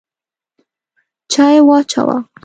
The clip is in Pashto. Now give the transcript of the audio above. چای واچوه!